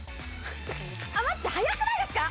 待って、速くないですか？